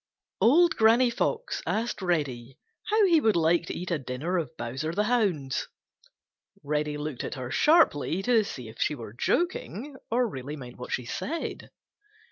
Old Granny Fox asked Reddy how he would like to eat a dinner of Bowser the Hound's, Reddy looked at her sharply to see if she were joking or really meant what she said.